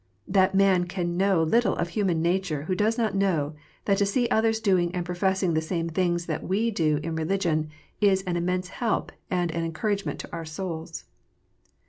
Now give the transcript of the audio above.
That man can know little of human nature who does not know that to see others doing and professing the same things that we do in religion, is an immense help and encouragement to our souls.